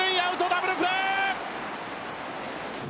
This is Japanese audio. ダブルプレー。